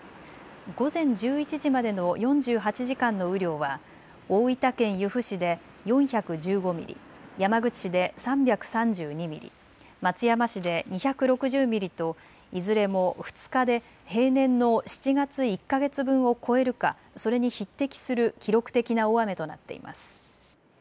午前１１時までの４８時間の雨量は大分県由布市で４１５ミリ、山口市で３３２ミリ、松山市で２６０ミリといずれも２日で平年の７月１か月分を超えるか、それに匹敵する記録的な大雨となっています。